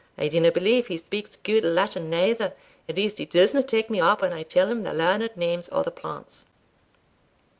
I dinna believe he speaks gude Latin neither; at least he disna take me up when I tell him the learned names o' the plants."